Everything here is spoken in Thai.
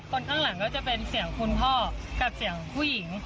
ข้างหลังก็จะเป็นเสียงคุณพ่อกับเสียงผู้หญิง